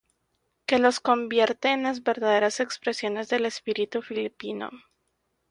Que los convierte en la verdadera expresión del espíritu filipino.